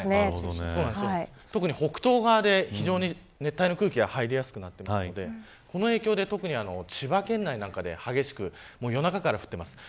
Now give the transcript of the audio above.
特に北東側で非常に熱帯の空気が入りやすくなっているので千葉県内なんかで、この影響で激しく夜中から降っています。